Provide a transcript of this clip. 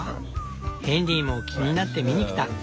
ヘンリーも気になって見にきた。